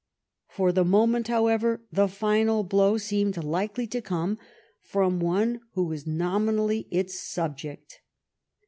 For the moment, however, the final blow seemed likely to come from one who was nominally its subject.